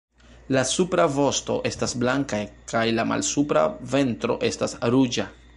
La supra vosto estas blanka kaj la malsupra ventro estas ruĝa.